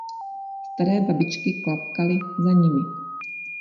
Staré babičky klapkaly za nimi.